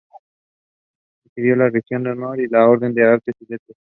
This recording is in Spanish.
Recibió la Legión de Honor y la Orden de las Artes y Letras.